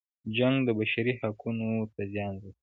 جنګ د بشري حقونو ته زیان رسوي.